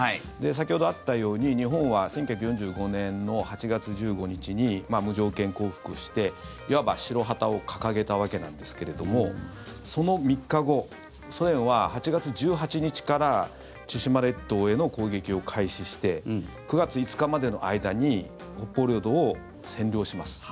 先ほどあったように日本は１９４５年の８月１５日に無条件降伏をして、いわば白旗を掲げたわけなんですがその３日後ソ連は８月１８日から千島列島への攻撃を開始して９月５日までの間に北方領土を占領します。